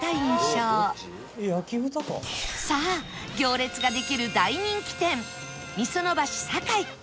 さあ行列ができる大人気店みその橋サカイ